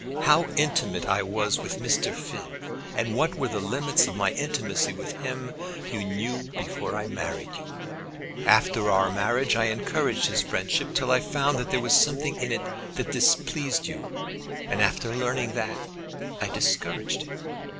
How intimate I was with. Mr. Finn, and what were the limits of my intimacy with him you knew before I married you. After our marriage I encouraged his friendship till I found that there was something in it that displeased you, and, after learning that, I discouraged it.